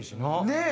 ねえ。